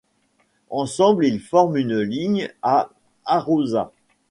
Ensemble ils forment une ligne à Arosa.